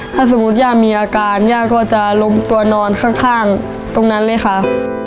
ถ้าสมมุติย่ามีอาการย่าก็จะล้มตัวนอนข้างตรงนั้นเลยค่ะ